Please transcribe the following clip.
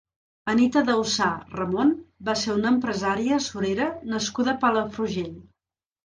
Anita Daussà Ramon va ser una empresària surera nascuda a Palafrugell.